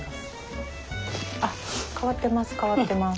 あっ変わってます